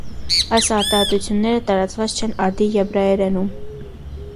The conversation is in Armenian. Այս արտահայտությունները տարածված չեն արդի եբրայերենում։